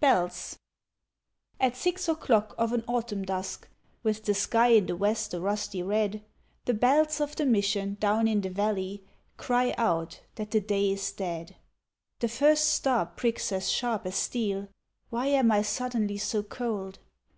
Bells At six o'clock of an autumn dusk With the sky in the west a rusty red, The bells of the mission down in the valley Cry out that the day is dead. The first star pricks as sharp as steel Why am I suddenly so cold?